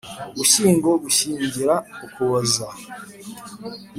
Ugushyingo gushyingira Ukuboza